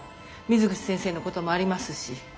水口先生のこともありますし。